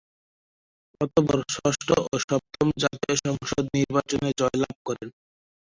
অতঃপর ষষ্ঠ ও সপ্তম জাতীয় সংসদ নির্বাচনে জয়লাভ করেন।